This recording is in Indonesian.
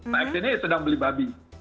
nah x ini sedang beli babi